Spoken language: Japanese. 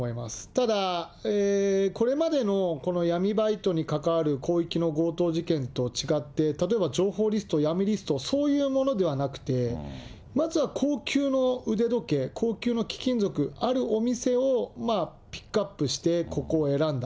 ただ、これまでのこの闇バイトに関わる広域の強盗事件と違って、例えば情報リスト、闇リスト、そういうものではなくて、まずは高級の腕時計、高級の貴金属、あるお店をピックアップして、ここを選んだ。